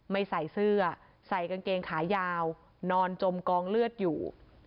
ไม่ใส่เสื้อใส่กางเกงขายาวนอนจมกองเลือดอยู่